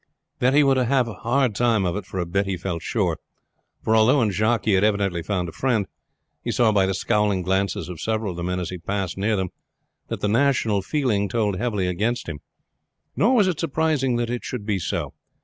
That he would have a hard time of it for a bit he felt sure; for although in Jacques he had evidently found a friend, he saw by the scowling glances of several of the men as he passed near them that the national feeling told heavily against him. Nor was it surprising that it should be so.